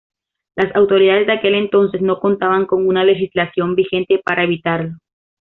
Las autoridades de aquel entonces no contaban con una legislación vigente para evitarlo.